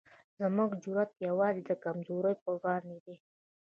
زموږ جرئت یوازې د کمزورو پر وړاندې دی.